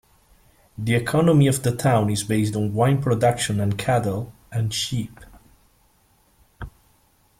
The economy of the town is based on wine production and cattle, and sheep.